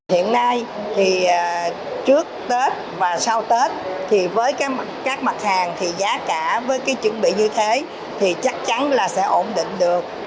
hiện nay trước tết và sau tết với các mặt hàng giá cả với chuẩn bị như thế chắc chắn sẽ ổn định được